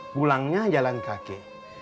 pulangnya jalan kaki